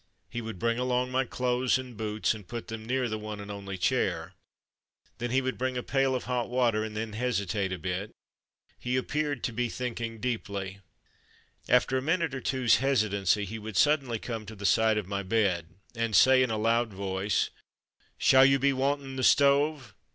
He would bring along my clothes and boots and put them near the one and only chair, then he would bring a pail of hot water and then hesitate a bit. He appeared to be thinking deeply. 56 From Mud to Mufti After a minute or two's hesitancy he would suddenly come to the side of my bed and say in a loud voice, "Shall you be wantin' the stove?''